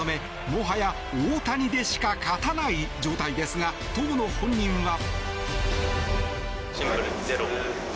もはや大谷でしか勝たない状態ですが当の本人は。